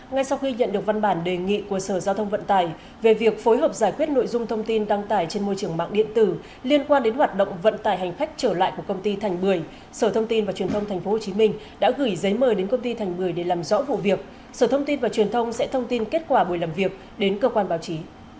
ngay sau khi nhận được văn bản đề nghị của sở giao thông vận tài về việc phối hợp giải quyết nội dung thông tin đăng tải trên môi trường mạng điện tử liên quan đến hoạt động vận tải hành khách trở lại của công ty thành bưởi sở thông tin và truyền thông tp hcm đã gửi giấy mời đến công ty thành bưởi để làm rõ vụ việc sở thông tin và truyền thông sẽ thông tin kết quả buổi làm việc đến cơ quan báo chí